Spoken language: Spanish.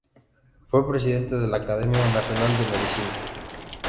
Fue presidente de la Academia Nacional de Medicina.